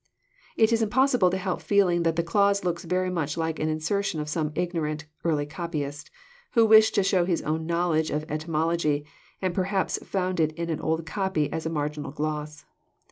It is impossible to help feeling that the clause looks very much like the insertion of some ignorant early copyist, who wished to show his own knowledge of etymology, and perhaps found it in an old copy as a marginal gloss.